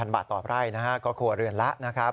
๑๑๐๐บาทต่อไร่ก็ครัวเรือนละนะครับ